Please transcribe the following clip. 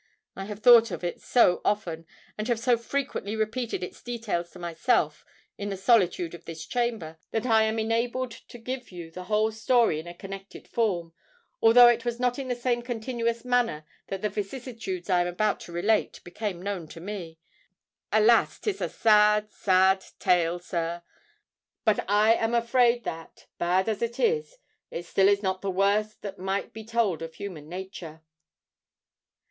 I have thought of it so often, and have so frequently repeated its details to myself, in the solitude of this chamber, that I am enabled to give you the whole story in a connected form; although it was not in the same continuous manner that the vicissitudes I am about to relate, became known to me. Alas! 'tis a sad—sad tale, sir; but I am afraid that, bad as it is, it still is not the worst that might be told of human nature."